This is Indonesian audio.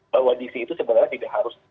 bahwa dc itu sebenarnya tidak harus